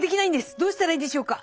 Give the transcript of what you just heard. どうしたらいいでしょうか？」。